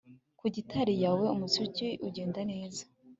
Ku gitari yawe umuziki ugenda neza